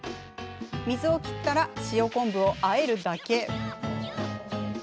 水を切ったら塩昆布をあえるだけ。